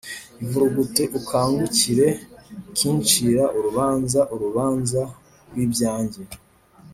Ivurugute ukangukire kincira urubanza, urubanza rw’ibyanjye